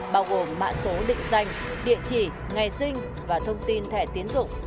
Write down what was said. bao gồm mạng số định danh địa chỉ ngày sinh và thông tin thẻ tiến dụng